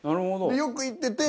でよく行ってて。